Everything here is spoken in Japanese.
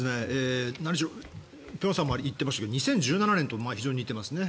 何しろ辺さんも言っていましたが２０１７年と非常に似ていますね。